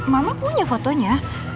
mama punya fotonya